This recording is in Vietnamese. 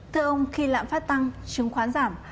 thưa ông khi lãm phát tăng chứng khoán giảm